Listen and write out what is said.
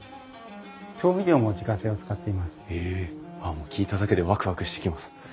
もう聞いただけでワクワクしてきます。